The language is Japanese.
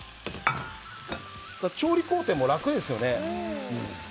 調理工程も楽ですよね。